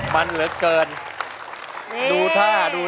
มันเหลือเกินดูท่าแบบนี้